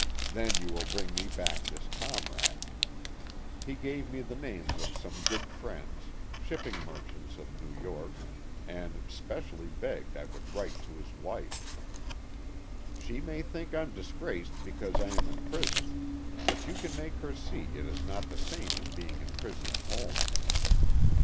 Then you will bring me back this comrade." He gave me the names of some good friends, shipping merchants of New York ; and specially begged I would write to his wife. " She may think I'm disgraced because I am in prison, but you can make her see it is not the same as being in prison at home."